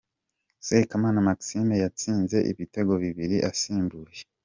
Sekamana Maxime yatsinze ibitego bibiri asimbuye .